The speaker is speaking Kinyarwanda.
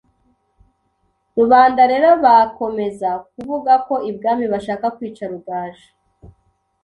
Rubanda rero bakomeza kuvuga ko ibwami bashaka kwica Rugaju